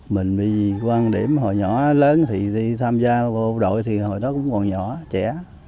mình vì quan điểm hồi nhỏ lớn thì đi tham gia vô đội thì hồi đó cũng còn nhỏ trẻ